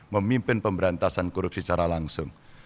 memimpin pemberantasan korupsi secara langsung